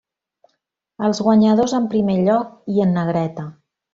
Els guanyadors en primer lloc i en negreta.